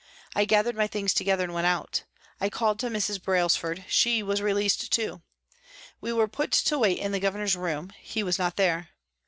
I gathered my things together and went out. I called to Mrs. Brailsford ; she was released too. We were put to wait in the Governor's room ; he was not there.